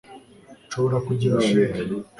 nshobora kugira cheque